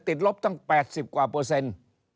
ลบตั้ง๘๐กว่าเปอร์เซ็นต์